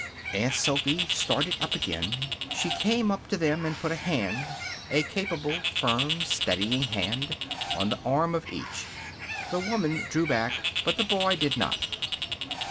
Aunt Sophy started up again. She came up to them and put a hand a capable, firm, steadying hand on the arm of each. The woman drew back, but the boy did not.